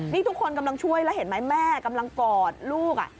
นี่ทุกคนกำลังช่วยแล้วเห็นไหมแม่กำลังกอดลูก